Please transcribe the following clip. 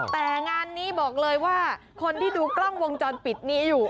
แต่งานนี้บอกเลยว่าคนที่ดูกล้องวงจรปิดนี้อยู่